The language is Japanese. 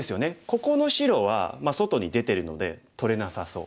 ここの白は外に出てるので取れなさそう。